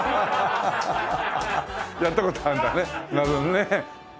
やった事あるんだねなるほどね。